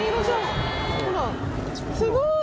すごい！